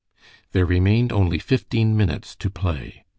There remained only fifteen minutes to play.